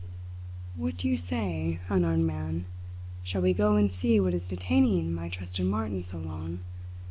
"What do you say, unarmed man? Shall we go and see what is detaining my trusted Martin so long?